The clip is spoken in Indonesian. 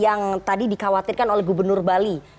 yang tadi dikhawatirkan oleh gubernur bali